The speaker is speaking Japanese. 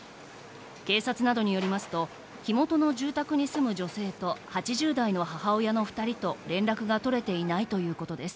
警察などによりますと、火元の住宅に住む女性と８０代の母親の２人と連絡が取れていないということです。